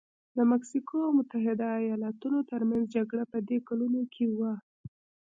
د مکسیکو او متحده ایالتونو ترمنځ جګړه په دې کلونو کې وه.